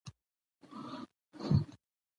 ماشوم د ښوونکي خبرې په غور تعقیب کړې